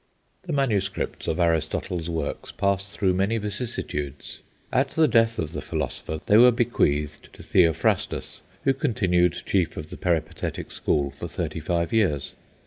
The manuscripts of Aristotle's works passed through many vicissitudes. At the death of the philosopher they were bequeathed to Theophrastus, who continued chief of the Peripatetic school for thirty five years.